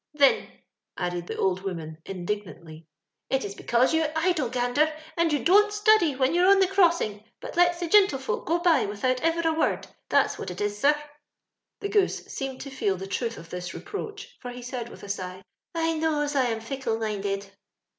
" Thin," added the old woman, indignantly, it's because you're idle. Gander, and you don't study when you're on the crossing ; but lets the gintlefolk go by without ever a word. That's what it is, sir." The Goose seemed to feel the truth of this reproach, for he said with a sigh, " I knows I am fickle minded."